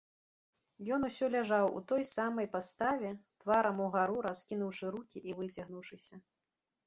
Ён усё ляжаў у той самай паставе, тварам угару, раскінуўшы рукі і выцягнуўшыся.